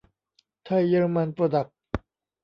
ไทย-เยอรมัน โปรดักส์